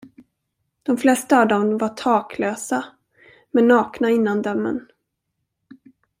De flesta av dem var taklösa med nakna innandömen.